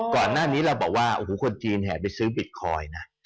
ก่อนหน้านี้เรารวบว่าคนจีนเอ่ยไปซื้บิทคอยว์นะ